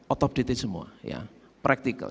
out of date in semua praktikal